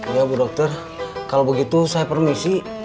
ya bu dokter kalau begitu saya permisi